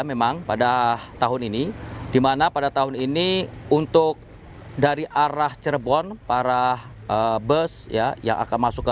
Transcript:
memang pada tahun ini dimana pada tahun ini untuk dari arah cirebon para bus yang akan masuk ke